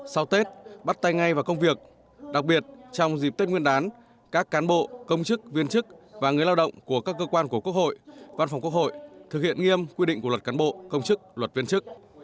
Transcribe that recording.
sau tết bắt tay ngay vào công việc đặc biệt trong dịp tết nguyên đán các cán bộ công chức viên chức và người lao động của các cơ quan của quốc hội văn phòng quốc hội thực hiện nghiêm quy định của luật cán bộ công chức luật viên chức